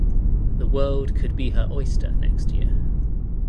The world could be her oyster next year.